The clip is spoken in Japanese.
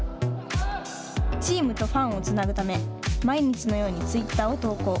チームとファンをつなぐため毎日のようにツイッターを投稿。